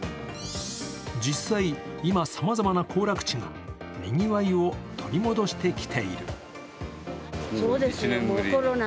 実際、今様々な行楽地がにぎわいを取り戻してきている。